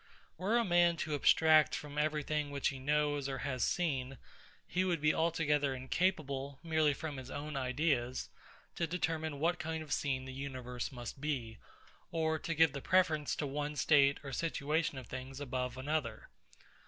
Were a man to abstract from every thing which he knows or has seen, he would be altogether incapable, merely from his own ideas, to determine what kind of scene the universe must be, or to give the preference to one state or situation of things above another.